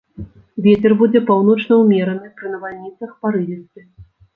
Вецер будзе паўночны ўмераны, пры навальніцах парывісты.